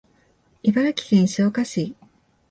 茨城県石岡市